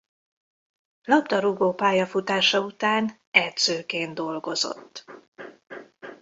Labdarúgó pályafutása után edzőként dolgozott.